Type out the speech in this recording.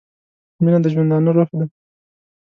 • مینه د ژوندانه روح دی.